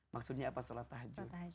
maksudnya apa sholat tahajud